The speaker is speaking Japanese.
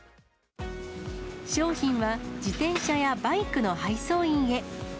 商品は自転車やバイクの配送員へ。